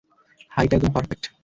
Height একদম perfect.